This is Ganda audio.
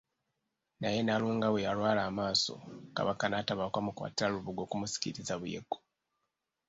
Naye Nnalunga lwe yalwala amaaso, Kabaka n'atabaako amukwatira lubugo kumusiikiriza Buyego.